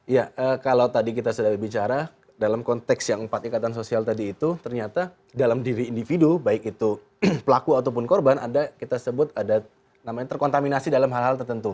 ya kalau tadi kita sudah bicara dalam konteks yang empat ikatan sosial tadi itu ternyata dalam diri individu baik itu pelaku ataupun korban ada kita sebut ada namanya terkontaminasi dalam hal hal tertentu